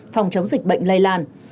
phòng chống dịch bệnh lây lan